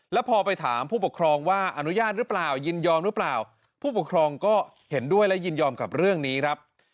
แล้วพอไปถามผู้ปกครองว่าอนุญาตหรือเปล่ายินยอมหรือเปล่าผู้ปกครองก็เห็นด้วยและยินยอมกับเรื่องนี้ครับ